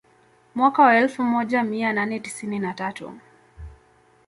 Mwaka wa elfu moja mia nane tisini na tatu